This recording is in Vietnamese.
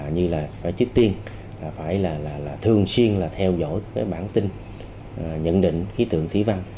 như là phải trích tiên là phải là thường xuyên là theo dõi cái bản tin nhận định khí tượng thí văn